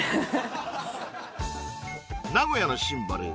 名古屋のシンボル